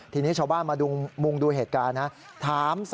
ทีนี้ชาวบ้านมามุงดูเหตุการณ์นะ